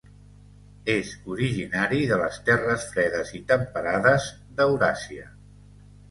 És originari de les terres fredes i temperades d'Euràsia.